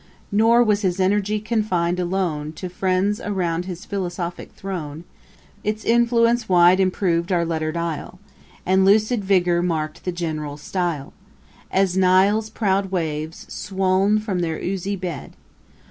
Nor was his energy confin'd alone To friends around his philosophick throne; Its influence wide improv'd our letter'd isle. And lucid vigour marked the general style: As Nile's proud waves, swoln from their oozy bed.